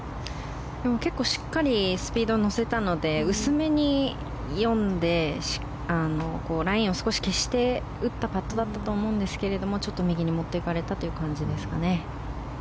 でも結構しっかりスピードに乗せたので薄めに読んでラインを少し消して打ったパットだったと思うんですけれどもちょっと右に持っていかれたという感じですかね。